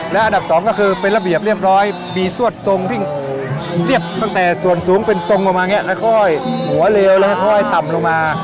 แล้วอันดับสองก็คือเป็นระเบียบเรียบร้อยบีรี่สรวจทรงทิ้งเรียบตั้งแต่ส่วนสูงเป็นทรงออกมานะก่อนหัวแล้วแล้วค่อยทำลงมา